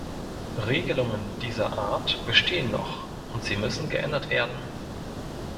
Regelungen dieser Art bestehen noch, und sie müssen geändert werden.